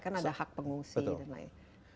kan ada hak pengungsi dan lain